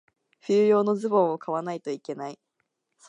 冬用のズボンを買わないといけない。